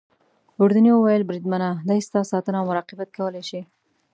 ګوردیني وویل: بریدمنه دی ستا ساتنه او مراقبت کولای شي.